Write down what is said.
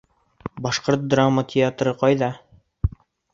Башҡорт драма театры ҡайҙа?